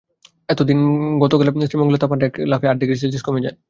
এদিকে গতকাল শ্রীমঙ্গলের তাপমাত্রা এক লাফে আট ডিগ্রি সেলসিয়াস কমে যায়।